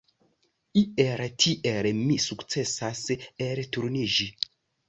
Iel tiel mi sukcesas elturniĝi.